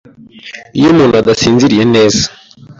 iyo umuntu adasinziriye neza